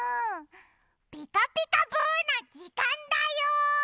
「ピカピカブ！」のじかんだよ！